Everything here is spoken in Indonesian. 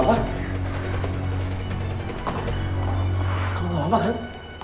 kamu gak apa apa kan